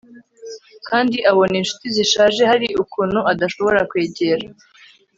Kandi abona inshuti zishaje hari ukuntu adashobora kwegera